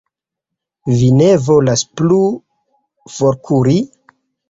Vi ne volas plu forkuri?